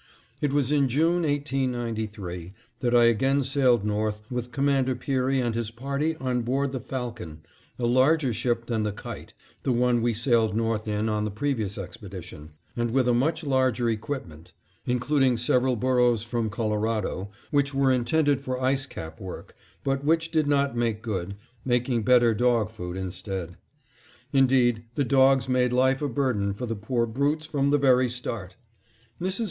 It was in June, 1893, that I again sailed north with Commander Peary and his party on board the Falcon, a larger ship than the Kite, the one we sailed north in on the previous expedition, and with a much larger equipment, including several burros from Colorado, which were intended for ice cap work, but which did not make good, making better dog food instead. Indeed the dogs made life a burden for the poor brutes from the very start. Mrs.